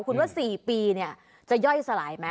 คุณว่า๔ปีเนี่ยจะย่อยสลายไหม